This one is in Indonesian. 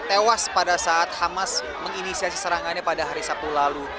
tewas pada saat hamas menginisiasi serangannya pada hari sabtu lalu